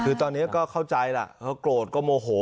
คือตอนนี้ก็เข้าใจล่ะเขาโกรธก็โมโห